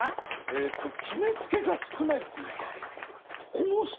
えと決めつけが少ないっていうか。